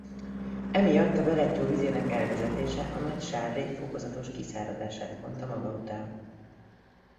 Emiatt a Berettyó vizének elvezetése a Nagy-Sárrét fokozatos kiszáradását vonta maga után.